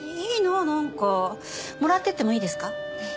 いいななんかもらっていってもいいですか？